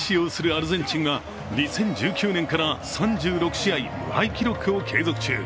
アルゼンチンが２０１９年から３６試合無敗記録を継続中。